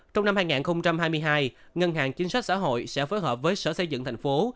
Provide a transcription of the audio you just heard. trong năm hai nghìn hai mươi hai ngân hàng chính sách xã hội sẽ phối hợp với sở xây dựng thành phố